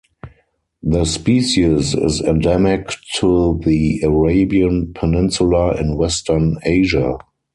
The species is endemic to the Arabian Peninsula in Western Asia.